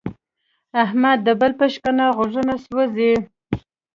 احمد د بل په شکنه غوږونه سوزي.